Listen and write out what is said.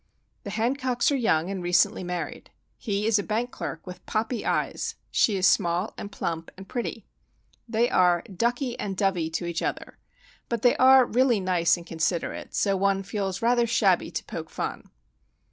The Hancocks are young, and recently married. He is a bank clerk with poppy eyes; she is small, and plump, and pretty. They are "Ducky" and "Dovie" to each other,—but they are really nice and considerate, so one feels rather shabby to poke fun.